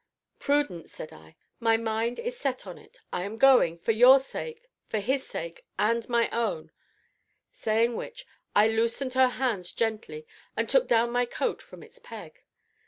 "Prudence," said I, "my mind is set on it. I am going for your sake, for his sake, and my own;" saying which, I loosed her hands gently and took down my coat from its peg.